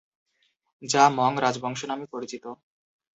যা মং রাজবংশ নামে পরিচিত।